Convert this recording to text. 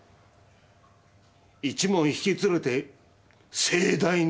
一門引き連れて盛大にな。